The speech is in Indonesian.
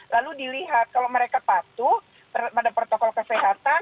lalu dilihat kalau mereka patuh terhadap protokol kesehatan